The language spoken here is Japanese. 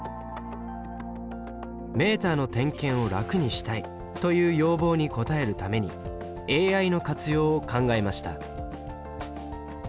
メータの点検を楽にしたいという要望に応えるためにＡＩの活用を考えました。